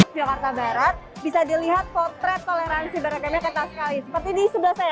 jakarta barat bisa dilihat potret toleransi mereka seperti di sebelah saya